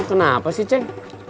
kamu kenapa sih cek